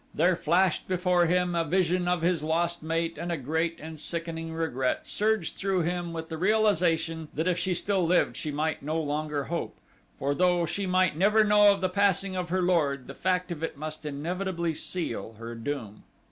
There flashed before him a vision of his lost mate and a great and sickening regret surged through him with the realization that if she still lived she might no longer hope, for though she might never know of the passing of her lord the fact of it must inevitably seal her doom.